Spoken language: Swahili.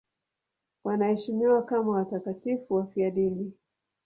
Wanaheshimiwa kama watakatifu wafiadini.